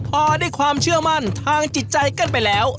พอได้ความเชื่อมั่นทางจิตใจกันไปแล้ว